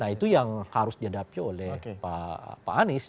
nah itu yang harus dihadapi oleh pak anies